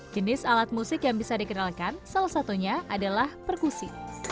jenis alat musik yang bisa dikenalkan salah satunya adalah perkusi